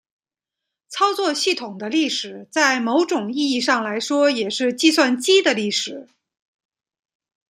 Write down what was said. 操作系统的历史在某种意义上来说也是计算机的历史。